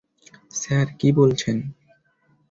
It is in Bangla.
স্যার, কী বলছেন?